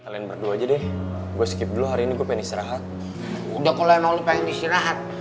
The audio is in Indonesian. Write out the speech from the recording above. kalian berdua aja deh gue skip dulu hari ini gue pengen istirahat udah kalau emang lo pengen istirahat